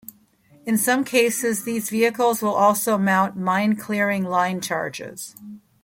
In some cases, these vehicles will also mount Mine-clearing line charges.